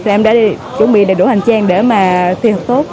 em đã chuẩn bị đầy đủ hành trang để mà thi hợp tốt